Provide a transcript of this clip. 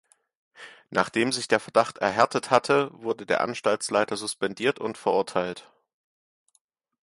Nachdem sich der Verdacht erhärtet hatte, wurde der Anstaltsleiter suspendiert und verurteilt.